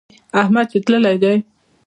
احمد چې تللی دی.